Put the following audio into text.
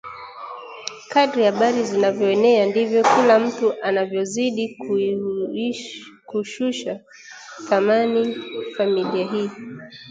Kadri habari zinavyoenea ndivyo kila mtu anavyozidi kuishusha thamani familia hii